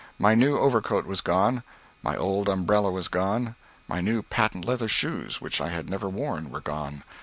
My new overcoat was gone; my old umbrella was gone; my new patent leather shoes, which I had never worn, were gone.